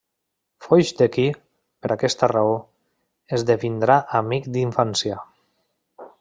Foix de qui, per aquesta raó, esdevindrà amic d'infància.